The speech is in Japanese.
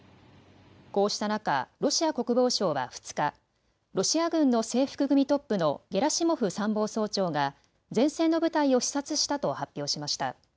こうした中、ロシア国防省は２日、ロシア軍の制服組トップのゲラシモフ参謀総長が前線の部隊を視察したと発表しました。